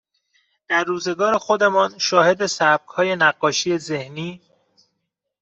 در روزگار خودمان شاهد سبکهای نقاشی ذهنی